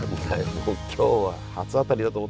もう今日は初当たりだと思ったのに。